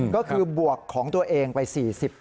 ก็คือบวกของตัวเองไป๔๐